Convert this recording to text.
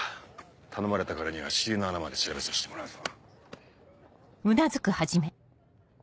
頼まれたからには尻の穴まで調べさせてもらうぞ。